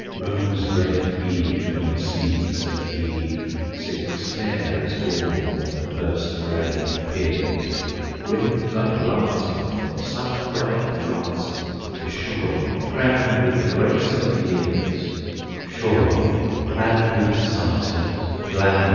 Rose red eve on the seas that heave sinks fair as dawn when the first ray peers; Winds are glancing from sunbright Lancing to Shoreham, crowned with the grace of years; [Illustration: _Old Shoreham Bridge.